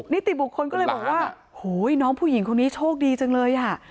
นิติบุคคลก็เลยบอกว่าโหยน้องผู้หญิงคนนี้โชคดีจังเลยอ่ะ